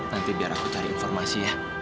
nanti biar aku cari informasi ya